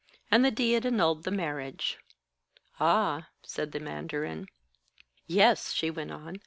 And the Diet annulled the marriage." "Ah," said the mandarin. "Yes," she went on.